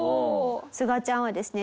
すがちゃんはですね